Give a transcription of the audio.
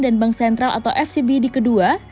dan bank sentral atau fcb di kedua